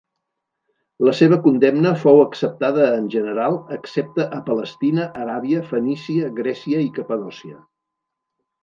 La seva condemna fou acceptada en general, excepte a Palestina, Aràbia, Fenícia, Grècia i Capadòcia.